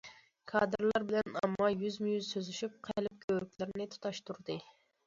كادىرلار بىلەن ئامما يۈزمۇيۈز سۆزلىشىپ، قەلب كۆۋرۈكلىرىنى تۇتاشتۇردى.